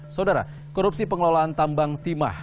saudara korupsi pengelolaan tambang timah